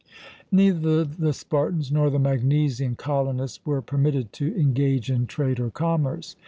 Neither the Spartans nor the Magnesian colonists were permitted to engage in trade or commerce.